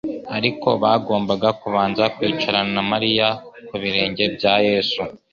Ariko bagombaga kubanza kwicarana na Mariya ku birenge bya Yesu.